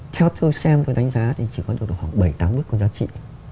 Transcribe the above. theo tôi xem tôi đánh giá thì chỉ có được khoảng bảy tám bức có giá trị